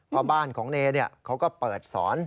เพราะบ้านของเนเขาก็เปิดสอน